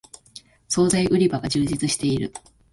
そうざい売り場が充実している